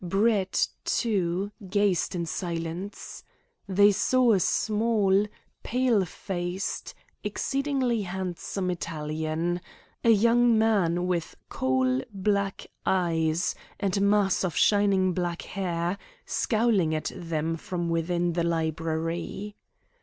Brett, too, gazed in silence. They saw a small, pale faced, exceedingly handsome Italian a young man, with coal black eyes and a mass of shining black hair scowling at them from within the library.